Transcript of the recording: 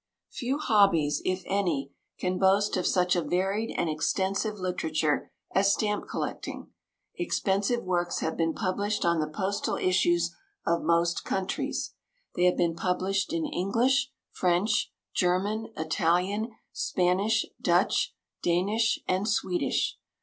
Few hobbies, if any, can boast of such a varied and extensive literature as stamp collecting. Expensive works have been published on the postal issues of most countries. They have been published in English, French, German, Italian, Spanish, Dutch, Danish, and Swedish.